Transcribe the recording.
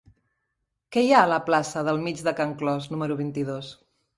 Què hi ha a la plaça del Mig de Can Clos número vint-i-dos?